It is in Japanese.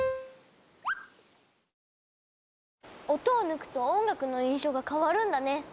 音を抜くと音楽の印象が変わるんだね。